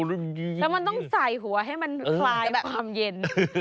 แล้วมันต้องใส่หัวให้มันคลายแบบความเย็น